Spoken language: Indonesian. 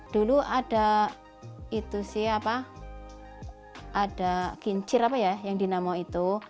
dulu ada itu sih apa ada kincir apa ya yang dinamo itu